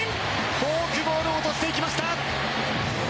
フォークボールを落としました。